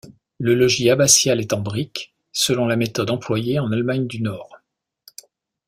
Le logis abbatial est en briques, selon la méthode employée en Allemagne du Nord.